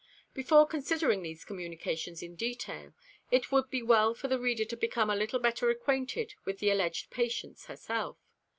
Before considering these communications in detail, it would be well for the reader to become a little better acquainted with the alleged Patience herself.